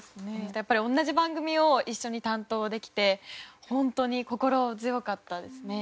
やっぱり同じ番組を一緒に担当できて本当に心強かったですね。